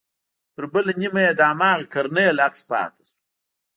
پر بله نيمه يې د هماغه کرنيل عکس پاته سو.